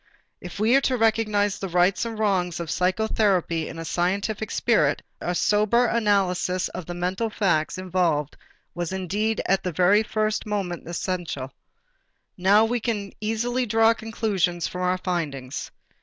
If we are to recognize the rights and wrongs of psychotherapy in a scientific spirit, a sober analysis of the mental facts involved was indeed at the very first most essential. Now we can easily draw the conclusions from our findings.